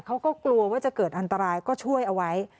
เขาก็กลัวว่าจะเกิดอันตรายก็ช่วยเอาไว้